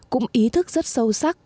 cũng ý thức rất sâu sắc